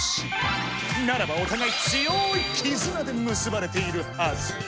ならばおたがい強い絆でむすばれているはず。